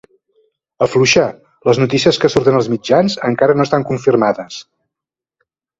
Afluixa! Les notícies que surten als mitjans encara no estan confirmades.